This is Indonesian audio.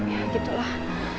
ya gitu lah